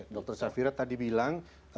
dokter safira tadi bilang